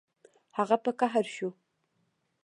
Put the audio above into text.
هغه په قهر شو